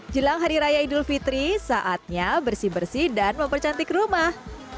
jelang hari raya idul fitri saatnya bersih bersih dan mempercantik rumah